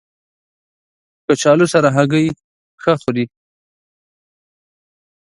کچالو سره هګۍ ښه خوري